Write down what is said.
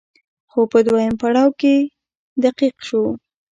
خو په دويم پړاو کې دقيق شو